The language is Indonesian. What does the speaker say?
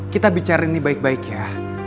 kita bicara ini baik baik ya